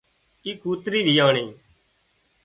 اي ڪوترِي ويئاڻِي